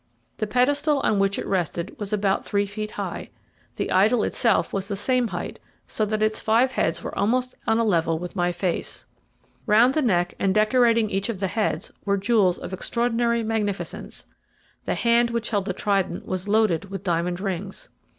The pedestal on which it rested was about three feet high the idol itself was the same height, so that its five heads were almost on a level with my face. Round the neck, and decorating each of the heads, were jewels of extraordinary magnificence; the hand which held the trident was loaded with diamond rings.